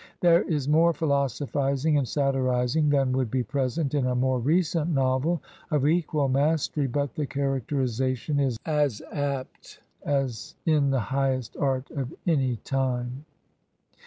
There is more philosophizing and satirizing than would be present in a more recent novel of equal mastery; but the characterization is as net as in the highest art of any time.